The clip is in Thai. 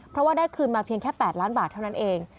เพราะว่าได้คืนมาเพียงแค่๘ล้านบาทเท่านั้นเอง